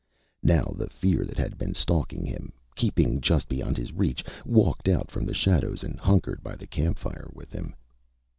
Now the fear that had been stalking him, keeping just beyond his reach, walked out from the shadows and hunkered by the campfire with him.